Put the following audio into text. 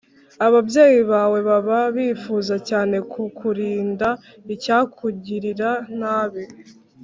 ababyeyi bawe baba bifuza cyane kukurinda icyakugirira nabi